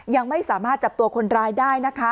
ยังไม่สามารถจับตัวคนร้ายได้นะคะ